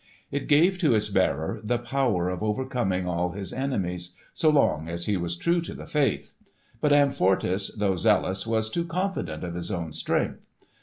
It gave to its bearer the power of overcoming all his enemies, so long as he was true to the faith. But Amfortas though zealous was too confident of his own strength.